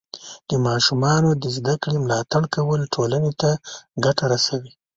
د ماشومانو د زده کړې ملاتړ کول ټولنې ته ګټه رسوي.